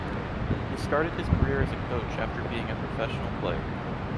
He started his career as a coach after being a professional player.